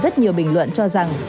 rất nhiều bình luận cho rằng